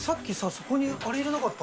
そこにあれ入れなかった？